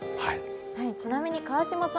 ちなみに川嶋さん